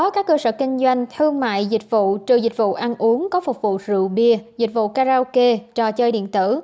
các cơ sở kinh doanh thương mại dịch vụ trừ dịch vụ ăn uống có phục vụ rượu bia dịch vụ karaoke trò chơi điện tử